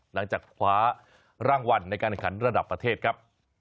หลังจากคว้ารางวัลในการแข่งขันระดับประเทศครับ